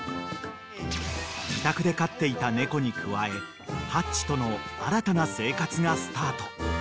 ［自宅で飼っていた猫に加えハッチとの新たな生活がスタート］